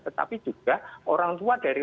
tetapi juga orang tua dari